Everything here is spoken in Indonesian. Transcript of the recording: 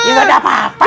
ya gak ada apa apa